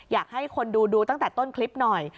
อยากให้คนดูดูตั้งแต่ต้นคลิปหน่อย